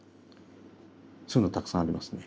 そういうのたくさんありますね。